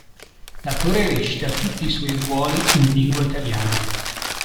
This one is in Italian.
L'attore recita tutti i suoi ruoli in lingua italiana.